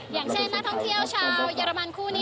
อย่างเช่นนักท่องเที่ยวชาวเยอรมันคู่นี้